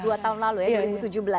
dua tahun lalu ya dua ribu tujuh belas